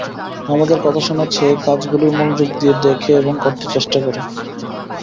আমাদের কথা শোনার চেয়ে কাজগুলোই মনোযোগ দিয়ে দেখে এবং করতে চেষ্টা করে।